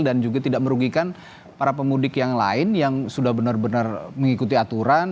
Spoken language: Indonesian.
dan juga tidak merugikan para pemudik yang lain yang sudah benar benar mengikuti aturan